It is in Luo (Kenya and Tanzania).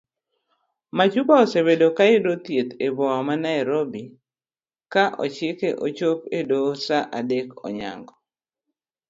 Machupa osebedo kayudo thieth eboma ma nairobi ka ochike ochop edoho saa adek onyango.